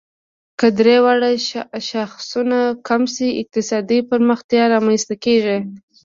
که درې واړه شاخصونه کم شي، اقتصادي پرمختیا رامنځ ته کیږي.